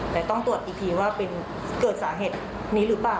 แต่ต้องตรวจอีกทีว่าเป็นเกิดสาเหตุนี้หรือเปล่า